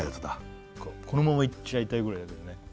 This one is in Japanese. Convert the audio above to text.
このままいっちゃいたいぐらいだよね